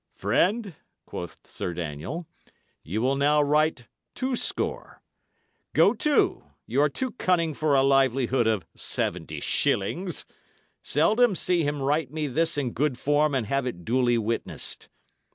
"Friend," quoth Sir Daniel, "ye will now write two score. Go to! y' are too cunning for a livelihood of seventy shillings. Selden, see him write me this in good form, and have it duly witnessed."